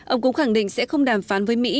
ông cũng khẳng định sẽ không đàm phán với mỹ